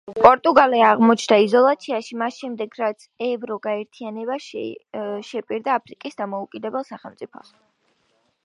პორტუგალია აღმოჩნდა იზოლაციაში მას შემდეგ რაც ევრო გაერთიანება შეპირდა აფრიკას დამოუკიდებელ სახელმწიფოებს.